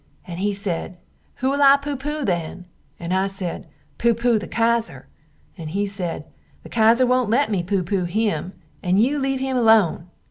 and he sed, Who will I pooh pooh then? and I sed, Pooh pooh the Kaiser, and he sed, The Kaiser wont let me pooh pooh him and you leave him alone!